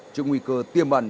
trước nguy cơ tiềm bẩn